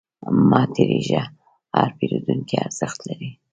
مه تریږه، هر پیرودونکی ارزښت لري.